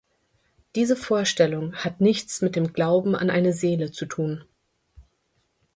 Diese Vorstellung hat nichts mit dem Glauben an eine Seele zu tun.